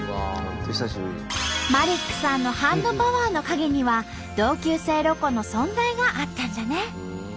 マリックさんのハンドパワーの陰には同級生ロコの存在があったんじゃね！